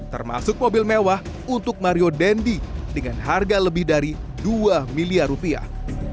termasuk mobil mewah untuk mario dendi dengan harga lebih dari dua miliar rupiah